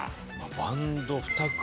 バンド２組。